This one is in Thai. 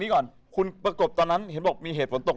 ก่อนคุณประกบตอนนั้นเห็นบอกมีเหตุฝนตก